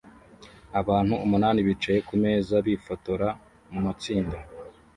Abantu umunani bicaye kumeza bifotora mumatsinda